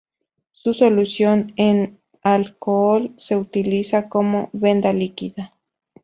Su solución en alcohol se utiliza como "venda líquida".